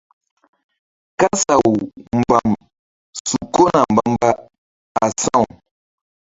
Kasaw mbam su kona mbamba asaw.